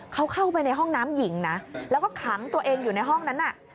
เขาเข้าไปในห้องน้ำหญิงนะแล้วก็ขังตัวเองอยู่ในห้องนั้นน่ะ